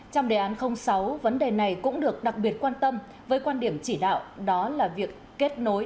trong đề án sáu vấn đề này cũng được đặc biệt quan tâm với quan điểm chỉ đạo đó là việc kết nối